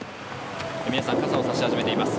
皆さん傘をさし始めています。